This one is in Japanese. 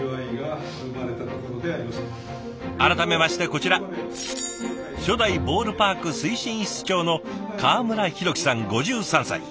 改めましてこちら初代ボールパーク推進室長の川村裕樹さん５３歳。